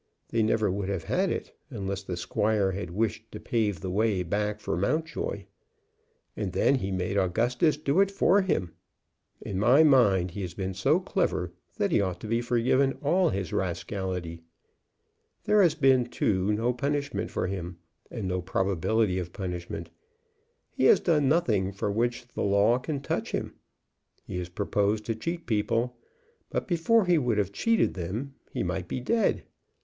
They never would have had it unless the squire had wished to pave the way back for Mountjoy. And then he made Augustus do it for him! In my mind he has been so clever that he ought to be forgiven all his rascality. There has been, too, no punishment for him, and no probability of punishment. He has done nothing for which the law can touch him. He has proposed to cheat people, but before he would have cheated them he might be dead.